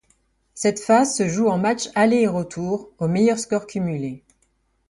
Cette phase se joue en matches aller et retour au meilleur score cumulé.